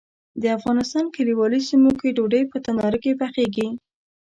د افغانستان کلیوالي سیمو کې ډوډۍ په تناره کې پخیږي.